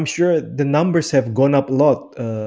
saya yakin jumlahnya telah meningkat